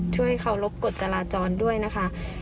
ช่วยเคารพกฎจราจรด้วยนะคะ